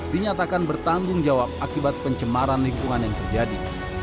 dinyatakan bertanggung jawab akibat pencemaran lingkungan yang terjadi